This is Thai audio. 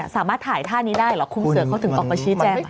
สามารถถ่ายท่านี้ได้เหรอคุณเสือเขาถึงออกมาชี้แจง